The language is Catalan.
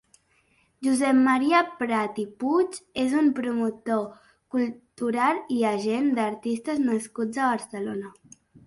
Josep Maria Prat i Puig és un promotor cultural i agent d'artistes nascut a Barcelona.